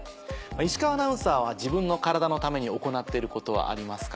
石川アナウンサーは自分の体のために行っていることはありますか？